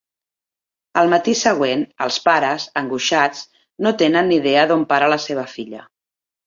Al matí següent, els pares, angoixats, no tenen ni idea d'on para la seva filla.